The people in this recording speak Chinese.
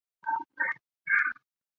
再给我十分钟，我这边快要完了。